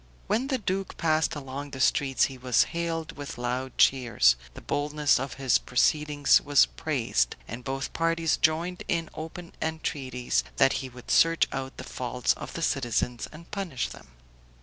When the duke passed along the streets he was hailed with loud cheers, the boldness of his proceedings was praised, and both parties joined in open entreaties that he would search out the faults of the citizens, and punish them.